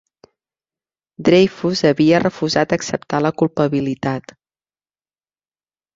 Dreyfus havia refusat acceptar la culpabilitat.